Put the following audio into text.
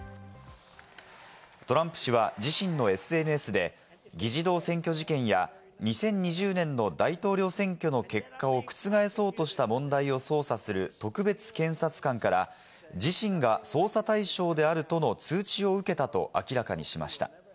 トランプ氏は自身のＳＮＳで、議事堂占拠事件や、２０２０年の大統領選挙の結果を覆そうとした問題を捜査する特別検察官から、自身が捜査対象であるとの通知を受けたと明らかにしました。